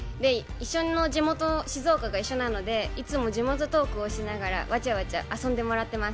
一緒の静岡という地元で、いつも地元トークをしながら、わちゃわちゃして遊んでもらってます。